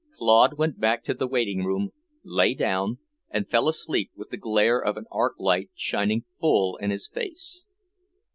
Claude went back to the waiting room, lay down and fell asleep with the glare of an arc light shining full in his face.